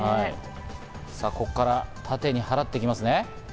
さぁ、ここから縦にはらっていきますね。